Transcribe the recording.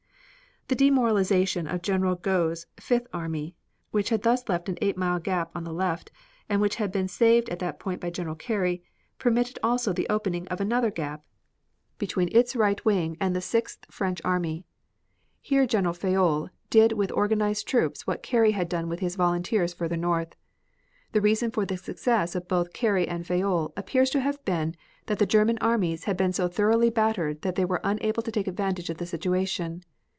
The demoralization of General Gough's Fifth army, which had thus left an eight mile gap on the left, and which had been saved at that point by General Carey, permitted also the opening of another gap between its right wing and the Sixth French army. Here General Fayolle did with organized troops what Carey had done with his volunteers further north. The reason for the success of both Carey and Fayolle appears to have been that the German armies had been so thoroughly battered that they were unable to take advantage of the situation.